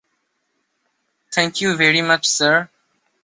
Thank you very much sir.